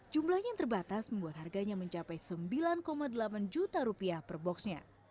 jumlahnya yang terbatas membuat harganya mencapai sembilan delapan juta rupiah per boxnya